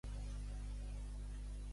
significava "Jammin' Dude.